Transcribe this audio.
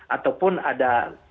ataupun ada kesalahan